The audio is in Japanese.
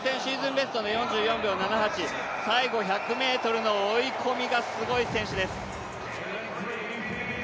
ベスト４４秒７８、最後１００ｍの追い込みがすごい選手です。